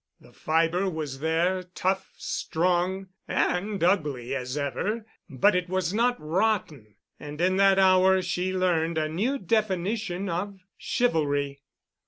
The fibre was there, tough, strong, and ugly as ever, but it was not rotten. And in that hour she learned a new definition of chivalry.